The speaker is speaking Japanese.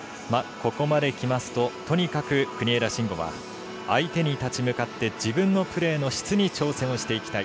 ここまできますと、とにかく国枝慎吾は、相手に立ち向かって自分のプレーの質に挑戦をしていきたい。